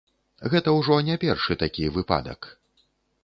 Гэта ўжо не першы такі выпадак.